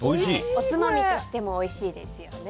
おつまみとしてもおいしいですよね。